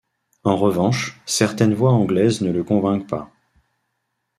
En revanche, certaines voix anglaises ne le convainquent pas.